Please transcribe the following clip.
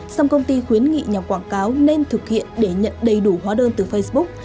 xong công ty khuyến nghị nhà quảng cáo nên thực hiện để nhận đầy đủ hóa đơn từ facebook